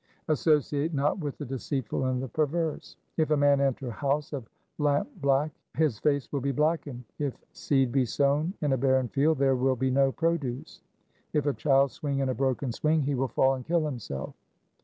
1 Associate not with the deceitful and the perverse: — If a man enter a house of lamp black his face will be blackened. If seed be sown in a barren field, there will be no produce. If a child swing in a broken swing, he will fall and kill himself.